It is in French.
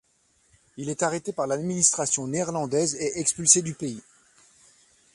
Il est arrêté par l'administration néerlandaise et expulsé du pays.